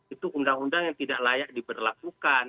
itu undang undang yang tidak layak diberlakukan